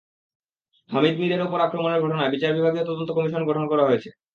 হামিদ মিরের ওপর আক্রমণের ঘটনায় বিচার বিভাগীয় তদন্ত কমিশন গঠন করা হয়েছে।